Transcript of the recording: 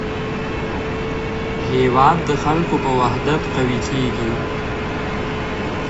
هېواد د خلکو په وحدت قوي کېږي.